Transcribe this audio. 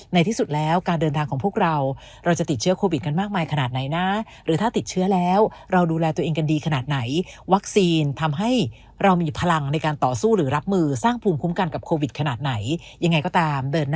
ไหนที่สุดแล้วการเดินทางของพวกเราเราจะติดเชื้อโควิดกันมากมายขนาดไหนนะ